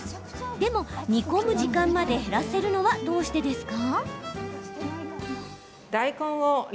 でも、煮込む時間まで減らせるのはどうしてですか？